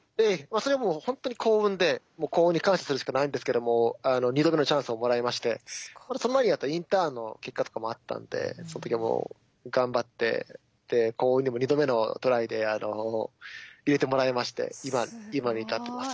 それはもうほんとに幸運で幸運に感謝するしかないんですけども２度目のチャンスをもらいましてその前にやったインターンの結果とかもあったんでその時はもう頑張って幸運にも２度目のトライで入れてもらいまして今に至ってます。